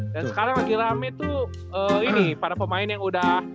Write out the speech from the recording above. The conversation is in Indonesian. dan sekarang lagi rame tuh ini para pemain yang udah